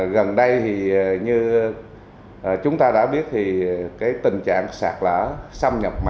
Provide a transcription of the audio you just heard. gần đây như chúng ta đã biết tình trạng sạt lở xâm nhập mạnh mẽ